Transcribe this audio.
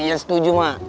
ya setuju ma